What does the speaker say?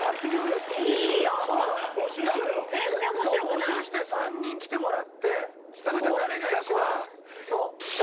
募集して３人来てもらってそれで誰が一番。